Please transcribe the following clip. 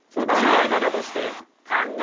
考え方として。